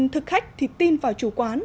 thực khách thì tin vào chủ quán